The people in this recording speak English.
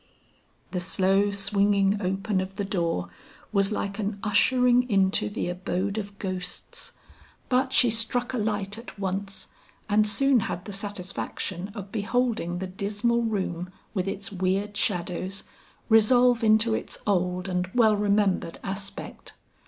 The slow swinging open of the door was like an ushering into the abode of ghosts, but she struck a light at once, and soon had the satisfaction of beholding the dismal room with its weird shadows, resolve into its old and well remembered aspect.